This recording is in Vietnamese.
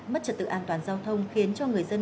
mất trật tự an toàn giao thông khiến cho người dân